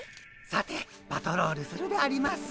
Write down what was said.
さてパトロールするであります。